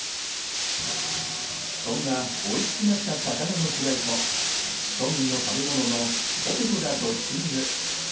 そんなおいしくなった魚のフライと庶民の食べ物のポテトがドッキング！